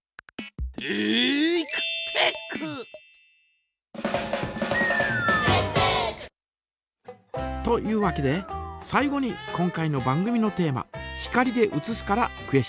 「テイクテック」！というわけで最後に今回の番組のテーマ「光で写す」からクエスチョン。